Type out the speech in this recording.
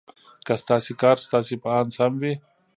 که ستاسې کار ستاسې په اند سم وي.